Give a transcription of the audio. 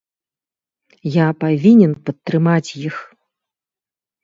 Я павінен падтрымаць іх.